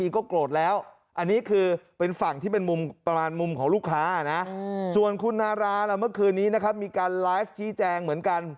ขอบคุณนารานะเมื่อคืนนี้นะครับมีการไลฟ์ชี้แจงเหมือนกัน